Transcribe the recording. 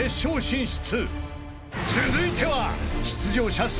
［続いては］